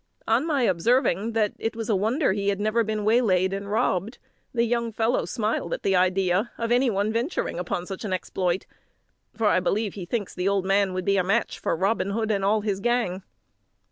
On my observing that it was a wonder he had never been waylaid and robbed, the young fellow smiled at the idea of any one venturing upon such an exploit, for I believe he thinks the old man would be a match for Robin Hood and all his gang.